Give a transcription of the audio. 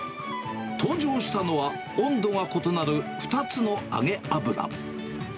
登場したのは、温度が異なる２つの揚げ油。